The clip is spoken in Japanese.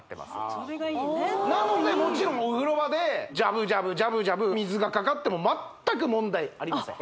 それがいいねなのでもちろんお風呂場でジャブジャブジャブジャブ水がかかっても全く問題ありません